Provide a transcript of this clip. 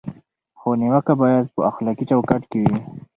خو نیوکه باید په اخلاقي چوکاټ کې وي.